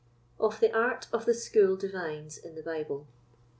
Of the Art of the School Divines in the Bible.